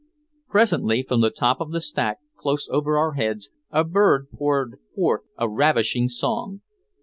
Presently, from the top of the stack close over our heads, a bird poured forth a ravishing song.